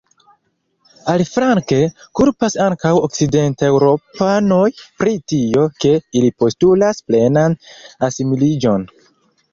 Aliflanke, kulpas ankaŭ okcidenteŭropanoj pri tio, ke ili postulas plenan asimiliĝon.